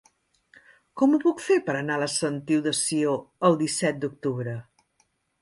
Com ho puc fer per anar a la Sentiu de Sió el disset d'octubre?